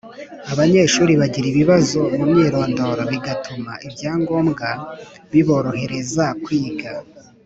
Abanyeshuri bagira ibibazo mu myirondoro bigatuma ibyangombwa biborohereza kwiga